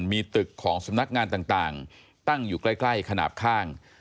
มีตึกของสำนักงานต่างตั้งอยู่ใกล้ขนาดข้าง